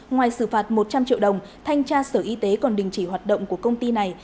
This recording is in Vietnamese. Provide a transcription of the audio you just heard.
ngoài xử phạt một trăm linh triệu đồng thanh tra sở y tế còn đình chỉ hoạt động của công ty này